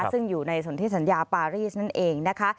ซึ่งอยู่ในสนที่สัญญาปารีสนั่นเองนะคะ